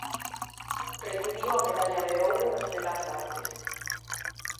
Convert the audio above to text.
Recibiu a Medalla de Ouro das Belas Artes.